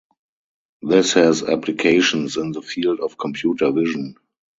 This has applications in the field of computer vision.